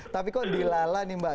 tapi kok dilala nih mbak